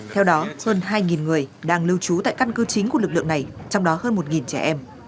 theo đó hơn hai người đang lưu trú tại căn cư chính của lực lượng này trong đó hơn một trẻ em